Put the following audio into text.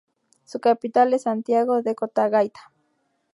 Su capital es Santiago de Cotagaita.